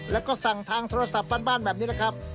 แล้วก็สั่งทางโทรศัพท์บ้านแบบนี้แหละครับ